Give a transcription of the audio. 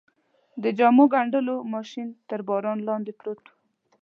د جامو ګنډلو ماشین تر باران لاندې پروت و.